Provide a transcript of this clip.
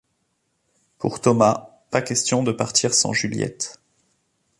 Pour Thomas pas question de partir sans Juliette.